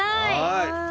はい。